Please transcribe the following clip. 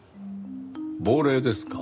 亡霊ですか。